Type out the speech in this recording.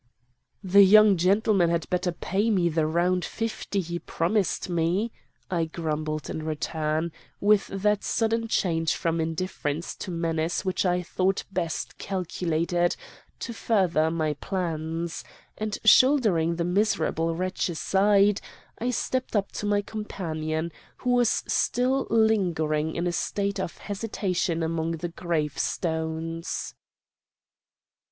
"'The young gentleman had better pay me the round fifty he promised me,' I grumbled in return, with that sudden change from indifference to menace which I thought best calculated to further my plans; and shouldering the miserable wretch aside, I stepped up to my companion, who was still lingering in a state of hesitation among the gravestones.